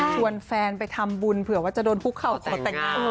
ชวนแฟนไปทำบุญเผื่อว่าจะโดนคุกเข่าขอแต่งงาน